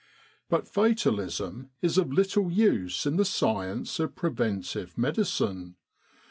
But fatalism is of little use in the science of pre ventive medicine.